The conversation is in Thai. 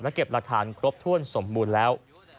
เก็บหลักฐานครบถ้วนสมบูรณ์แล้ว